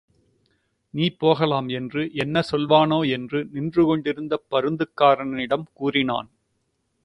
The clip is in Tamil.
நீ போகலாம் என்று, என்ன சொல்வானோ என்று நின்றுகொண்டிருந்த பருந்துக்காரனிடம் கூறினான்.